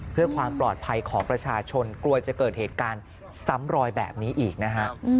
เพื่อความปลอดภัยของประชาชนกลัวจะเกิดเหตุการณ์ซ้ำรอยแบบนี้อีกนะฮะ